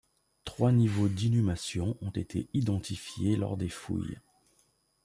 Trois niveaux d'inhumation ont été identifiés lors des fouilles.